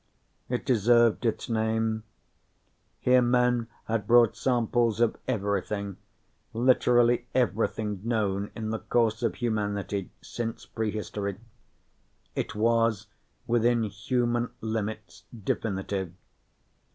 It deserved its name: here men had brought samples of everything, literally everything known in the course of humanity since prehistory. It was, within human limits, definitive.